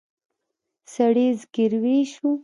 سړي زګېروی شو.